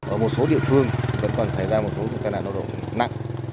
ở một số địa phương vẫn còn xảy ra một số tình trạng lao động nặng